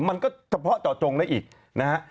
มันก็เฉพาะเจาะจงได้อีกนะฮะ